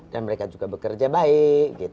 dan mereka juga bekerja baik